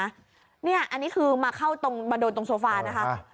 อันนี้คือมาโดนตรงโซฟานะครับ